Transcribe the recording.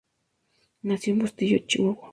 Nació en Bustillo, Chihuahua.